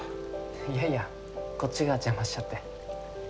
いやいやこっちが邪魔しちゃって。